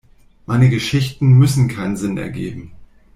Meine Geschichten müssen keinen Sinn ergeben.